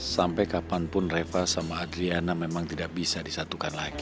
sampai kapanpun reva sama adriana memang tidak bisa disatukan lagi